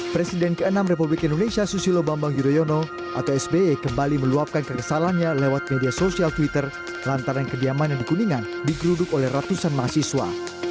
presiden ke enam republik indonesia susilo bambang yudhoyono atau sby kembali meluapkan kekesalannya lewat media sosial twitter lantaran kediamannya di kuningan digeruduk oleh ratusan mahasiswa